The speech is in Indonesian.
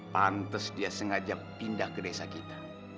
pantes dia sengaja pindah kedesa kita